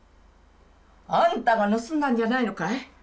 あんたが盗んだんじゃないのかい？